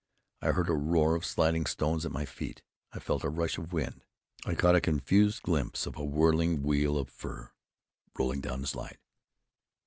I heard a roar of sliding stones at my feet. I felt a rush of wind. I caught a confused glimpse of a whirling wheel of fur, rolling down the slide.